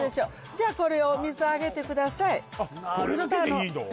じゃあこれを水上げてください